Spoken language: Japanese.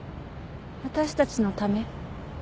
私たちのため？